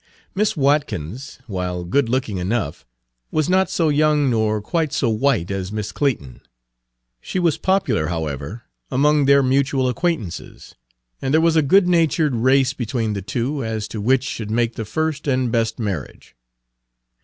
Miss Watkins, while good looking enough, was not so young nor quite so white as Miss Clayton. She was popular, however, among their mutual acquaintances, and there was a good natured race between the two as to which should make the first and best marriage.